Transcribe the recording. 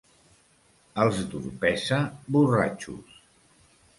Els d'Orpesa, borratxos.